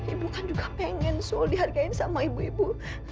ibu kan juga pengen sul dihargai sama ibu ibu